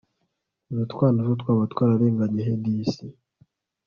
utu twana two twaba twararengeye he disi